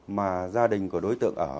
mà gia đình của đối tượng ở